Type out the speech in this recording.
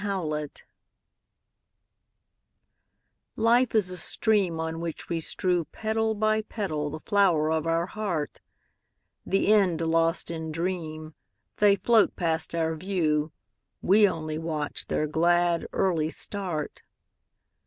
Petals Life is a stream On which we strew Petal by petal the flower of our heart; The end lost in dream, They float past our view, We only watch their glad, early start.